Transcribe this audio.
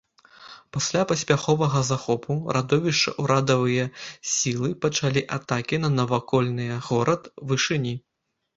Пасля паспяховага захопу радовішча ўрадавыя сілы пачалі атакі на навакольныя горад вышыні.